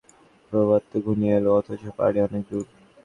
প্রভাত তো ঘনিয়ে এলো, অথচ পাড়ি অনেক দূর।